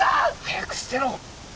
早く捨てろ！